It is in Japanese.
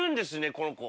この子。